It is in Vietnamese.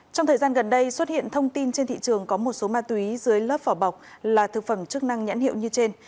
trong thời gian gần đây xuất hiện thông tin trên thị trường có một số ma túy dưới lớp vỏ bọc là thực phẩm chức năng nhãn hiệu như trên